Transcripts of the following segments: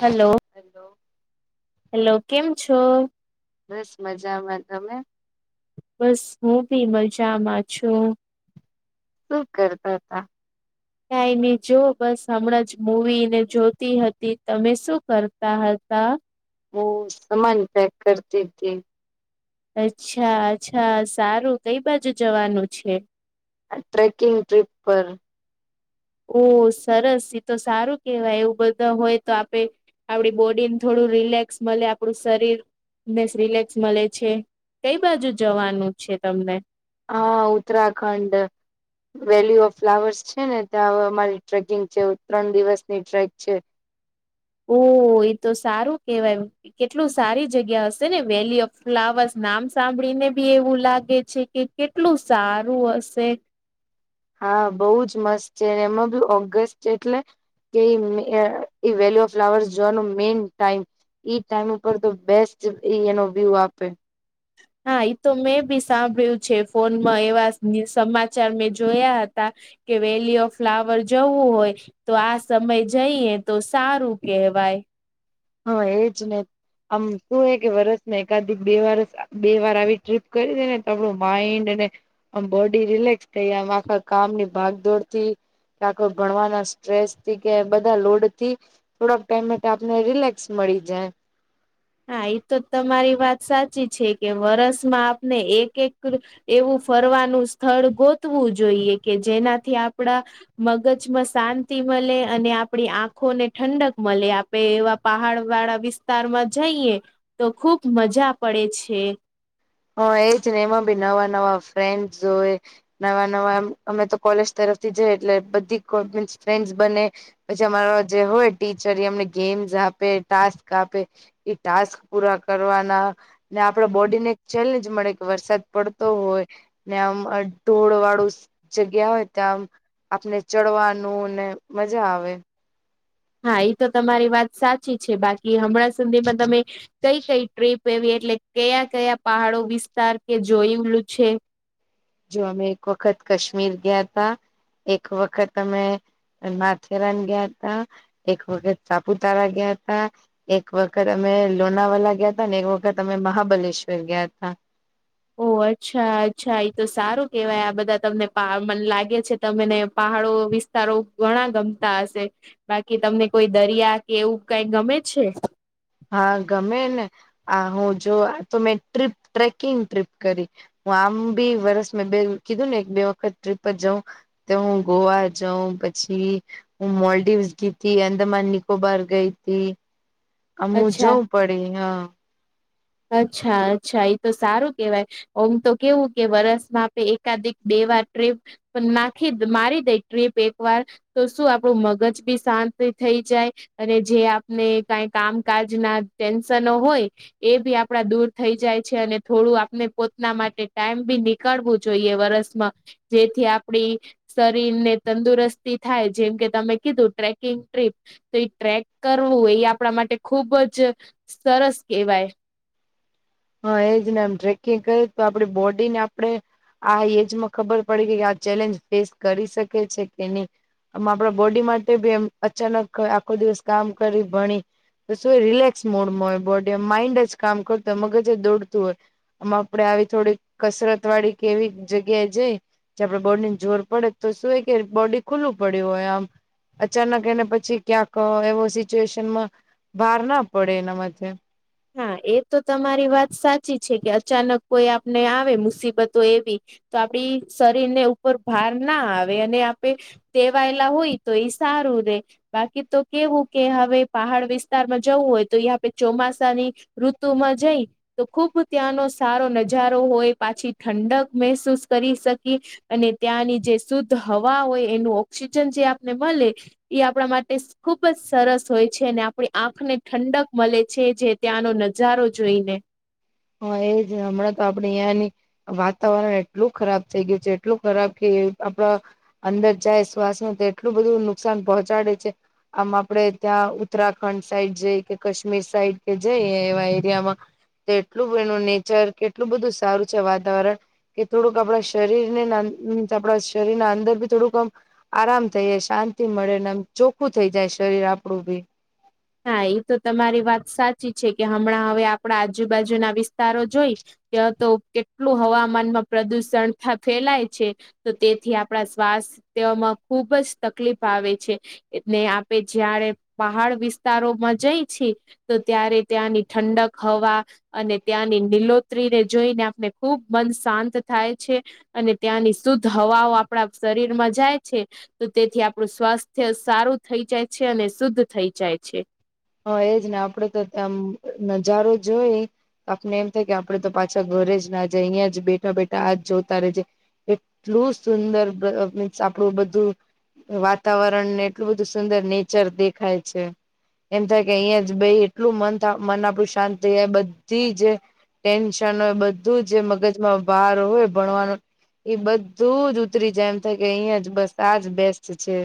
Hello, hello, hello કેમ છો? બસ મજામાં તમે, બસ હું બી મજામાં છું. શું કરતા હતા. કંઈ નહીં જો બસ હમણાં જ મુવી ને જોતી હતી તમે શું કરતા હતા. હુ સમાન પેક કરતી હતી. અચ્છા અચ્છા સારું કઈ બાજુ જવાનું છે. આ ટ્રેકિંગ ટ્રિપ પર, ઓહ સરસ એ તો સારું કેવાય એવું બધા હોય તો આપડે આપડી બોડીને થોડું, રિલેક્સ મળે આપણું શરીર રિલેક્સ મળે છે. કઈ બાજુ જવાનું છે તમને, અ ઉત્તરાખંડ, વેલ્યુ ઓફ ફ્લાવર્સ છે ને ત્યાં અમારી ટ્રેકિંગ છે ત્રણ દિવસની ટ્રેક છે. ઓહ એ તો સારું કેવાય. કેટલું સારી જગ્યા હશે ને વેલી ઓફ ફ્લાવર્સ નામ સાંભળીને બી એવું લાગે છે કે, કેટલું સારું હશે. હા બહુ જ મસ્ત છે એમાં બી ઓગસ્ટ છે એટલે, કે વેલ્યુ ઓફ ફ્લાવર્સ જોવાનું મેન ટાઈમ. ઈ ટાઈમ ઉપર તો બેસ્ટ ઇ એનો વ્યુ આપે. હા ઈતો મેં બી સાંભળ્યું છે ફોનમાં એવા સમાચાર મેં જોયા હતા. કે વેલી ઓફ ફ્લાવર જવું હોય. તો આ સમય જઈએ તો સારું કેહેવાય. હા એજ ને, આમ શુંહ કે વરસ મા એકાધ બે વરસ બે વાર આવી ટ્રીપ કરી દે ને તો આપણું માઈન્ડ અને, આમ બોડી રિલેક્સ થઈ આમ આખા કામની ભાગદોડથી. કા કો ભણવાના સ્ટ્રેસથી કે બધા લોડથી થોડાક ટાઈમ માટે આપને રિલેક્ ક્સ મળી જાય. હા ઈ તો તમારી વાત સાચી છે કે વરસમાં આપને એક એક એવું ફરવાનું સ્થળ ગો તવું જોઈએ કે જેનાથી આપણા મગજમાં શાંતિ મલે અને આપણી આ આંખોને ઠંડક મલે આપે એવા પહાડવાળા વિસ્તારમાં જઈએ તો ખૂબ મજા પડે છે. હ એજ ને એમાં બી નવાં નવાં ફ્રેન્ડ્સ હોય. નવાં-નવાં આમ અમે તો કોલેજ તરફથી જઇએ એટલે બધી કો મીન્સ ફ્રેન્ડસ બને. પછી અમારો જે હોય ટીચર એ અમને ગેમ્સ આપે, ટાસ્ક આપે. એ ટાસ્ક પૂરા કરવાના ને આપણા બોડીને એક ચેલેન્જ મળે કે વરસાદ પડતો હોય ને આમ અ ઢોળવાળું જગ્યા હોય ત્યાં આમ આપને ચડવાનું ને મજા આવે. હા ઈ તો તમારી વાત સાચ ચી છે બાકી હમણાં સુધીમાં તમે કઈ કઈ ટ્રીપ એવી એટલે કયા-કયા પહાડો વિસ્તાર કે જોયેલું છે? જો અમે એક વખત કશ્મીર ગ્યાતા, એક વખત અમે માથેરાન ગયા હતાં, એક વખત સાપુતારા ગયાં હતા. એક વખત અમે લોનાવાલા ગયાં તા ને એક વખત અમે મહાબલેશ્વર ગયાં તા. ઓ અચ્છા અચ્છા ઈ તો સારું કેવાય આ બધા તમને પા મને લાગે છે તમેને પહાડો વિ સ્તારો ઘણાં ગમતા હશે, બાકી તમને કોઈ દરિયા કે એવું કાઈ ગમે છે? હા ગમે ને આ હું જો આ તો મેં ટ્રીપ ટ્રેકિંગ ટ્રીપ કરી. હું આમ ભી વરસ મેં બે કીધું ને એક બે વખત ટ્રીપ પર જઉં. તો હું ગોવા જઉં પછી હ મોલ્ડીવસ ગીતિ, અંદમાન નિકોબાર ગઈતી. અમું અચ્છા જવું પડી હ. અચ્છા અચ્છા ઈ તો સારું કેવાય ઓમ તો કેવું કે વરસમાં આપે એકાદિક બે વાર ટ્રીપ પણ નાખી મારી દઈ ટ્રીપ એકવાર તો શું આપણું મગજ બી શાંતિ થઈ જાય. અને જે આપને કાઈ કામકાજના ટેન્શનો હોય એ ભી આપડા દૂર થઈ જાય છે અને થોડું આપણે પોતના માટે ટાઈમ બી નીકાળવું જોઈએ વરસમાં. જેથી આપડી શરીરને તંદુરસ્તી થાય જેમ કે તમે કીધું ટ્રેકિંગ ટ્રીપ. તો ઈ ટ્રેક કરવું એ આપણા માટે ખૂબ જ સરસ કહેવાય. હા એ જ ને એમ ટ્રેકિંગ કરી તો આપડી બોડીને આપણે આ એજ માં ખબર પડી કે કે આ ચેલેન્જ ફેસ કરી શકે છે કે નહીં. આમ આપણા બોડી માટે ભી એમ અચાનક આખો દિવસ કામ કરી ભણી તો શું એ રિલેક્સ મોડમાં હોય બોડી આમ માઈન્ડ જ કામ કરતું હોય મગજ જ દોડતું હોય. આમ આપડે આવી થોડીક કસરતવાળી કે એવી જગ્યાએ જઈ જયાં આપણા બોડીને જોર પડે તો શું કે બોડી ખુલ્લું પડ્યું હોય આમ. અચાનક એને પછી ક્યાંક એવો સિચ્યુએશનમાં ભાર ના પડે એનાં માથે. હા, એ તો તમારી વાત સાચી છે કે અચાનક કોઈ આપને આવે મુસીબતો એવી તો આપડી શરીરને ઉપર ભાર ના આવે અને આપે ટેવાયેલા હોય. તો ઈ સારું રે. બાકી તો કેવું કે હવે પહાડ વિસ્તારમાં જવું હોય તો ઈ આપે ચોમાસું ની ઋતુમાં જઈ તો ખૂબ ત્યાંનો સારો નજારો હોય, પાછી ઠંડક મહેસૂસ કરી શકી. અને ત્યાંની જે શુદ્ધ હવા હોય એનું ઓક્સિજન જે આપને મલે. એ આપણા માટે ખુબ જ સરસ હોય છે અને આપણી આંખને ઠંડક મળે છે જે. ત્યાંનો નજારો જોઈને. હા એજ હમણાં તો આપણે અયા ની. વાતાવરણ એટલું ખરાબ થઈ ગયું છે એટલું ખરાબ કે આપડા. અંદર જાય શ્વાસમાં તો એટલું બધું નુકસાન પહોંચાડે છે. આમ આપડે ત્યાં ઉત્તરાખંડ સાઈડ જઈ કે કાશ્મીર સાઈડ કે જઈ એવા એરિયામાં કેટલું એનું નેચર કેટલું બધું સારું છે વાતાવરણ. કે થોડુંક આપણા શરીરને આપડા શરીર ના અંદર ભી થોડુંક આમ. આરામ થઈ શાંતિ મળે નેમ ચોખ્ખું થઈ જાય શરીર આપડું બી. હા એ તો તમારી વાત સાચી છે કે હમણાં હવે આપણા આજુબાજુના વિસ્તારો જોઈ. ત્યા તો કેટલું હવામાનમાં પ્રદુષણ. ફેલાય છે તો તેથી આપણા સ્વાસ્થવામાં ખુબ જ તકલીફ. આવે છે એને આપે જયારે પહાડ વિસ્તારોમાં જઈ છી. તો ત્યારે ત્યાંની ઠંડક હવા. અને ત્યાંની નીલોતરીને જોઈને આપને ખુબ મન શાંત થાય છે. અને ત્યાંની શુદ્ધ હવાઓ આપણા શરીર માં જાય છે. તો તેથી આપણું સ્વાસ્થ્ય સારું થઈ જાય છે અને શુદ્ધ થઈ જાય છે. હા એજ ને આપડે તો ત્યાં નજારો જોઈ. આપને એમ થાય કે આપડે તો પાછા ઘરે જ ના જાય અહીં જ બેઠા બેઠા આ જ જોતા રે જે. એટલું સુંદર મીન્સ આપણું બધું. વાતાવરણ ને એટલું બધું સુંદર નેચર દેખાય છે. એમ થાય કે અહીયાં જ ભાઈ એટલું મન મન આપણું શાંત થાય બધી જ. ટેન્શન હોય બધું જ મગજમાં બાર હોય ભણવાનો. એ બધું જ ઉતરી જાય એમ થાય કે અહીયાં જ બસ આજ બેસ્ટ છે.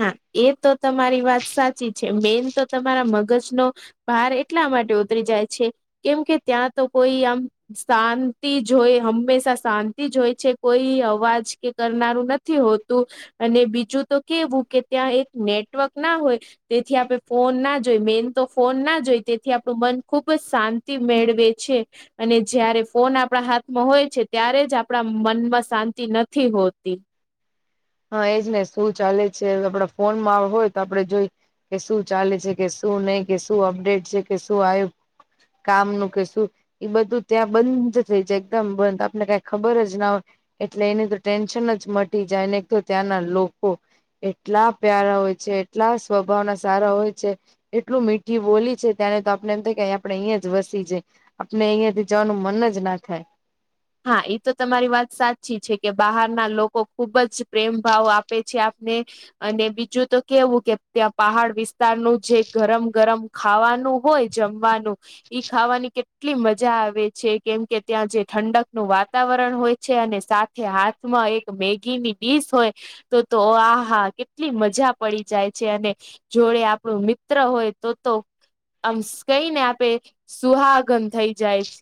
હા એ તો તમારી વાત સાચી છે મેન તો તમારા મગજનો. બહાર એટલા માટે ઉતરી જાય છે કેમ કે ત્યાં તો કોઈ આમ. શાંતિ જોય હંમેશા શાંતિ જોય છે કોઈ અવાજ કે કરનારું નથી. હોતું અને બીજું તો કેવું કે ત્યાં એક નેટવર્ક ના હોય. તેથી આપણે ફોન ના જોઈ મેન તો ફોન ના જોઈ તેથી આપણું મન ખૂબ જ શાંતિ મેળવે છે. અને જયારે ફોન આપણા હાથમાં હોય છે ત્યારે જ આપણા મનમાં શાંતિ નથી હોતી. હા એજ ને શું ચાલે છે આપડા ફોનમાં હોય તો આપડે જોઈએ. કે શું ચાલે છે કે શું નહી કે શું અપડેટ છે કે શું આયુ. કામ નુ કઈ શું. એ બધું ત્યાં બંધ થઈ જાય એકદમ બંધ આપને કઈ ખબર જ ના હોય. એટલે એની તો ટેન્શન જ મટી જાય ને તો ત્યાંના લોકો. એટલા પ્યારા હોય છે, એટલા સ્વભાવના સારા હોય છે. એટલું મીઠી બોલી છે, ત્યારે તો આપને એમ થાય કે આપડે અહીંયા જ વસી જઈએ, આપણે અહિયાં થી જવાનું મન જ ના થાય. હા એ તો તમારી વાત સાચી છે કે બહારના લોકો ખુબ જ પ્રેમ ભાવ આપે છે. ને અને બીજું તો કેવું કે ત્યાં પહાડ વિસ્તારનું જે, ગરમ ગરમ ખાવાનું હોય જમવાનું ઈ ખાવાની કેટલી, એટલી મજા આવે છે કેમ કે ત્યાં જે ઠંડક, નું વાતાવરણ હોય છે, અને સાથે હાથમાં એક મેગીની ડીશ હોય. તો તો આહા કેટલી મજા પડી જાય છે અને, જોડે આપણું મિત્ર હોય તો તો આમ કઈને આપે સુહાગન થઈ જાય છે.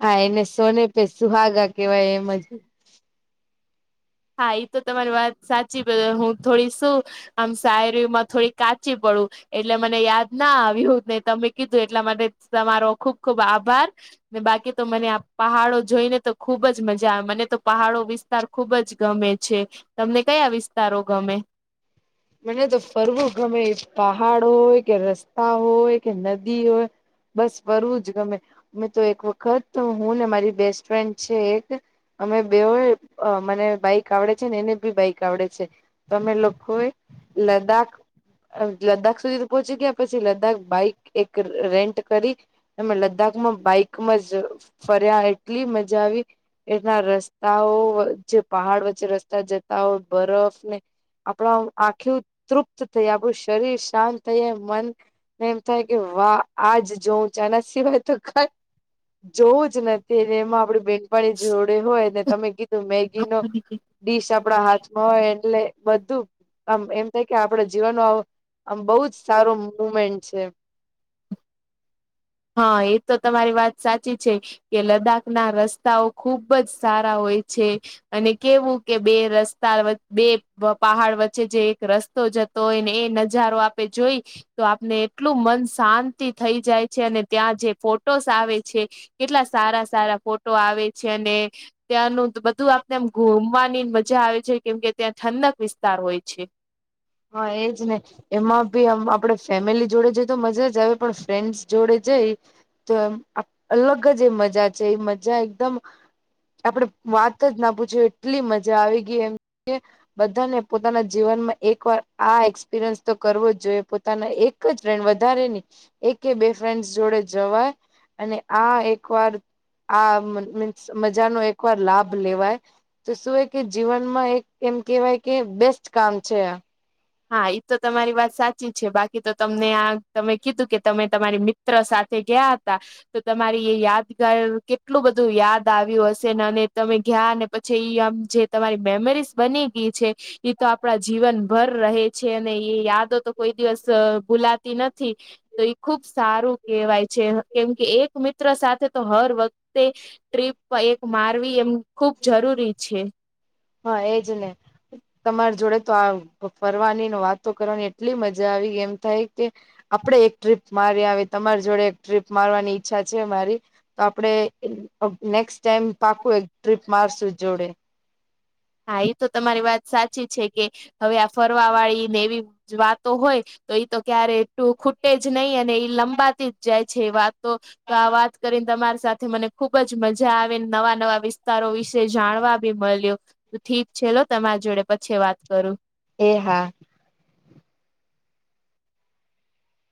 હા એને સોને પે સુહાગા કેવાય એમ જ, - [inaudible] હા એ તો તમારી વાત સાચી હું થોડી શું? આમ શાયરીમાં થોડી કાચી પડું. એટલે મને યાદ ના આવ્યું ને તમે કીધું એટલા માટે તમારો ખુબ ખુબ આભાર. ને બાકી તો મને આ પહાડો જોઈ ને તો ખુબ જ મજા આવે મને તો પહાડો વિસ્તાર ખુબ જ ગમે છે. તમને કયા વિસ્તારો ગમે? મને તો ફરવું ગમે. પહાડો કે રસ્તાઓ કે નદીઓ બસ ફરવું જ ગમે. મેં તો એક વખત હું ને મારી બેસ્ટ ફ્રેન્ડ છે એક અમે બે મને બાઈક આવડે છે ને એને બી બાઈક આવડે છે. તો અમે લોકો લદ્દાખ લદ્દાખ સુધી પહોચી તો ગયા પછી લદ્દાખ બાઈક એક રેન્ટ કરી એમાં લદ્દાખમાં બાઈકમાં જ ફર્યા એટલી મજા આવી. એ લોકો ના રસ્તાઓ જે પહાડ વચ્ચે રસ્તા જતા હોય બરફ ને આપણું આંખ્યું તૃપ્ત થઈ. આપણું શરીર શાંત થઈ ને મન ને એમ થાય કે વાહ આજ જોઉં આ ના સિવાય તો કય જોવું જ નથી ને એમાં આપડી બેનપણી જોડે હોય ને તમે કીધું મેગી નો ડીશ આપડા હાથમાં હોય એટલે બધું આમ એમ થાય કે આપડો જીવન નો આમ બો જ સારો મુમેન્ટ છે. હા એ તો તમારી વાત સાચી છે. કે લદ્દાખ ના રસ્તાઓ ખુબ જ સારા હોય છે. અને કેવું કે બે રસ્તા વચ્ બે પહાડ વચ્ચે જે એક રસ્તો જતો જતો હોય ને એને એ નજારો આપે જોઈ તો આપને એટલું મન શાંતિ થઈ જાય. છે અને ત્યાં જે ફોટોસ આવે છે કેટલા સારા સારા ફોટો આવે છે અને ત્યાંનું બધું આપને એમ ઘુમવાની મજા આવે છે, કેમકે ત્યાં ઠંડક વિસ્તાર હોય છે. હા એજ ને. એમાં ભી આમ આપડે ફેમિલી જોડે જઈ તો મજા જ આવે પણ ફ્રેન્ડસ જોડે જઈ તો એમ અલગ જ મજા છે એ મજા એકદમ આપડે વાત જ ના પૂછ્યું એટલી મજા આવી ગઈ એમ કે બધાને પોતાના જીવનમાં એક વાર આ એક્સપિરિયન્સ તો કરવો જ જોઈએ પોતાના એક જ ટાઈમ વધારેની, એક કે બે ફ્રેન્ડસ જોડે જવા અને આ એકવાર આ મ મીન્સ મજાનો એકવાર લાભ લેવાય. તો શું એ કે જીવનમાં એક એમ કેહેવાય કે બેસ્ટ કામ છે આ. હા ઈ તો તમારી વાત સાચી છે. બાકી તો તમને આ તમે કીધું કે તમે તમારી બેસ મિત્ર સાથે ગયા હતા. તો તમારી એ યાદગાર કેટલું બધું યાદ આવ્યું હશે ને અને તમે ત્યાં પછી આમ જે તમારી મેમરીઝ બની ગઈ છે ઈ તો આપણા જીવન ભર રહે છે અને ઈ યાદો તો કોઈ દિવસ ભુલાતી નથી. તો ઈ ખુબ સારુ કહેવાય છે કેમ કે એક મિત્ર સાથે તો હર વખતે ટ્રીપ તો એક મારવી એમ ખુબ જરૂરી છે. હા એજ ને. તમારી જોડે તો આ ફરવાની ને, વાતો કરવાની એટલી મજા આવી એમ થાય કે આપણે એક ટ્રીપ મારી આવિયે તમારી જોડે એક ટ્રીપ મારવાની ઈચ્છા છે મારી. તો આપડે નેક્સ્ટ ટાઈમ પાકુ એક ટ્રીપ મારશુ. હા ઈ તો તમારી વાત સાચી છે કે હવે આ ફરવા વાળી અને એવી વાતો હોય તો એ તો ક્યારે ખૂટે જ નય અને ઈ લંબાતી જાય છે વાતો તો તો આ વાત કરીને તમારી સાથે મને ખુબ જ મજા આવે અને નવા નવા વિસ વીસતારો વિસે જાણવા બી મળ્યો. ઠીક છે લો તમારા જોડે પછી વાત કરુ. એ હા.